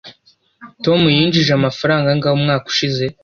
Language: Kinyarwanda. tom yinjije amafaranga angahe umwaka ushize